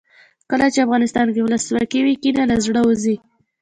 کله چې افغانستان کې ولسواکي وي کینه له زړه وځي.